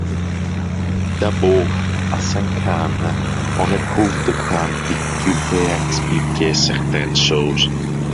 D'abord, a cinq ans, on éprouve de grandes difficultés à expliquer certaines choses.